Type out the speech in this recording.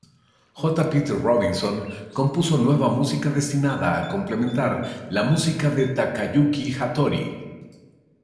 J. Peter Robinson compuso nueva música destinada a complementar la música de Takayuki Hattori.